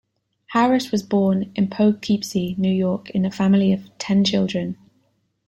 Harris was born in Poughkeepsie, New York into a family of ten children.